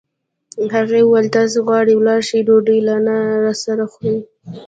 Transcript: هغې وویل: تاسي غواړئ ولاړ شئ، ډوډۍ لا نه راسره خورئ.